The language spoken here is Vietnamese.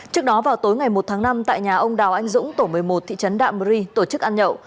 trước đó vào tối ngày một tháng năm tại nhà ông đào anh dũng tổ một mươi một thị trấn đạm ri tổ chức ăn nhậu